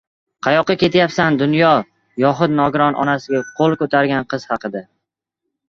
Qayoqqa ketyapsan, dunyo?! Yoxud nogiron onasiga qo‘l ko‘targan qiz haqida...